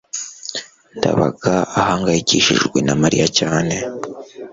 ndabaga ahangayikishijwe na mariya cyane